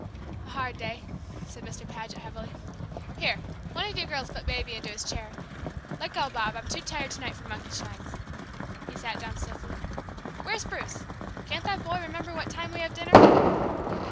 "A hard day," said Mr. Paget, heavily. "Here, one of you girls put Baby into his chair. Let go, Bob, I'm too tired to night for monkey shines!" He sat down stiffly. "Where's Bruce? Can't that boy remember what time we have dinner?"